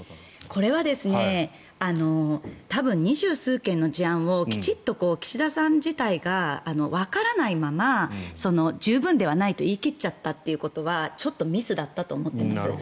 これは２０数件の事案をきちんと岸田さん自体がわからないまま、十分ではないと言い切っちゃったということはちょっとミスだったと思っています。